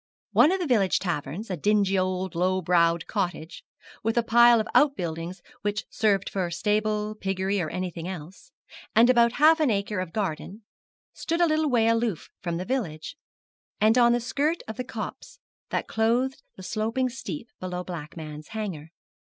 One of these village taverns, a dingy old low browed cottage, with a pile of out buildings which served for stable, piggery, or anything else, and about half an acre of garden, stood a little way aloof from the village, and on the skirt of the copse that clothed the sloping steep below Blackman's Hanger.